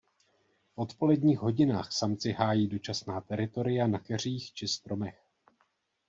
V odpoledních hodinách samci hájí dočasná teritoria na keřích či stromech.